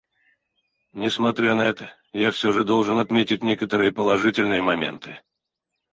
Несмотря на это, я все же должен отметить некоторые положительные моменты.